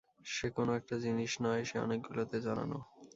সে কোনো একটা জিনিস নয়, সে অনেকগুলোতে জড়ানো।